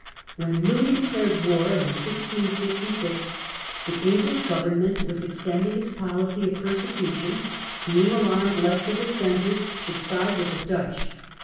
When Louis declared war (1666) the English govern ment was extending its policy of persecution, being alarmed lest the Dissenters should side with the Dutch.